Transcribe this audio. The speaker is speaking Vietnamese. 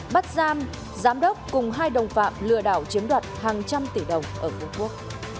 bắt giam giám đốc cùng hai đồng phạm lừa đảo chiếm đoạt hàng trăm tỷ đồng ở phú quốc